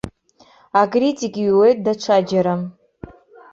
Акритик иҩуеит даҽаџьара.